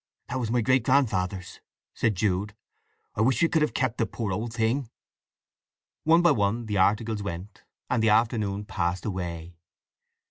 "That was my great grandfather's," said Jude. "I wish we could have kept the poor old thing!" One by one the articles went, and the afternoon passed away.